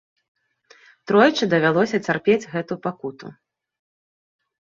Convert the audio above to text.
Тройчы давялося цярпець гэту пакуту.